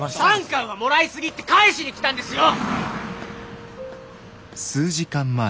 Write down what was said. ３缶はもらいすぎって返しに来たんですよ！